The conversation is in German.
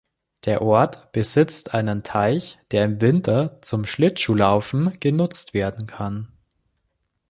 Der Ort besitzt einen Teich, der im Winter zum Schlittschuhlaufen genutzt werden kann.